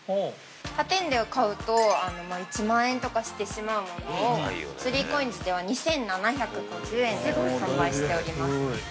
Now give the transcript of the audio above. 他店で買うと１万円とかしてしまうものを３ＣＯＩＮＳでは、２７５０円で販売しております。